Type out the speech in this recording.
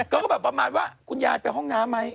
ก็แบบประมาณว่าคุณยายไปห้องน้ำไหม